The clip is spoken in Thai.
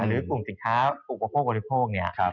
หรือกลุ่มสินค้าอุปโภคบริโภคเนี่ย